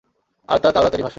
আর তা তাওরাতেরই ভাষ্য।